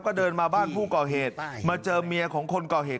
ก็เดินมาบ้านผู้ก่อเหตุมาเจอเมียของคนก่อเหตุ